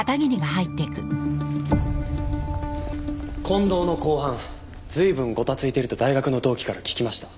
近藤の公判随分ごたついてると大学の同期から聞きました。